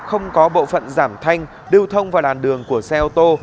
không có bộ phận giảm thanh điều thông và đàn đường của xe ô tô